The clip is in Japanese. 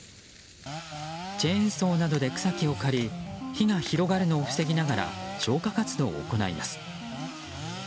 チェーンソーなどで草木を刈り火が広がるのを防ぎながら消火活動を行います。